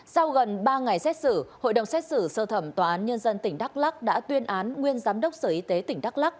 sau gần ba ngày xét xử hội đồng xét xử sơ thẩm tòa án nhân dân tỉnh đắk lắc đã tuyên án nguyên giám đốc sở y tế tỉnh đắk lắc